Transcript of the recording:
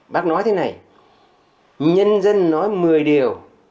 bác nói thế này nhân dân nói một mươi điều